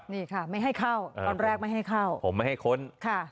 นี่ค่ะไม่ให้เข้าตอนแรกไม่ให้เข้าผมไม่ให้ค้นค่ะ